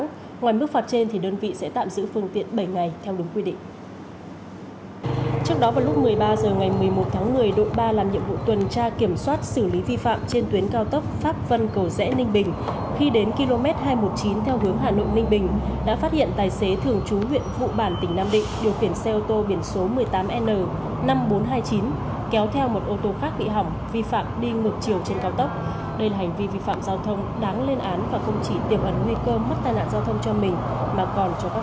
đây là hành vi vi phạm giao thông đáng lên án và không chỉ tiêu hấn nguy cơ mất tai nạn giao thông cho mình mà còn cho các phương tiện khác